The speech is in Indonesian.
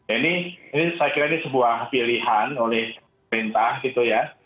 ini saya kira ini sebuah pilihan oleh perintah gitu ya